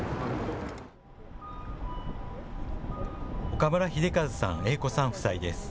岡村秀和さん、栄子さん夫妻です。